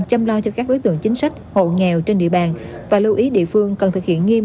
chăm lo cho các đối tượng chính sách hộ nghèo trên địa bàn và lưu ý địa phương cần thực hiện nghiêm